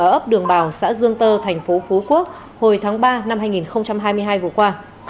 ở ấp đường bào xã dương tơ tp hcm hồi tháng ba năm hai nghìn hai mươi hai vừa qua